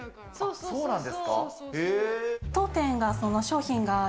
そうなんです。